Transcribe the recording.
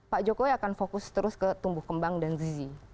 pak jokowi akan fokus terus ke tumbuh kembang dan zizi